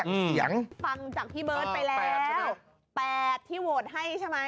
ฟังจากพี่เบิร์ตไปแล้ว๘ที่โหวตให้ใช่ไหม